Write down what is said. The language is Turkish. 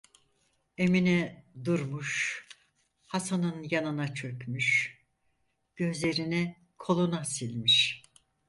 Emine durmuş, Hasan'ın yanına çökmüş, gözlerini koluna silmiş…